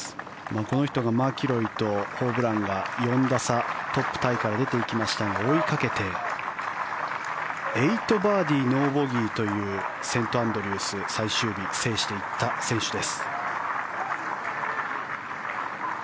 この人がマキロイとホブランが４打差トップタイから出ていきましたが追いかけて８バーディー、ノーボギーというセントアンドリュース最終日制していった選手です。